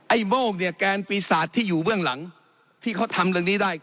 โมกเนี่ยแกนปีศาจที่อยู่เบื้องหลังที่เขาทำเรื่องนี้ได้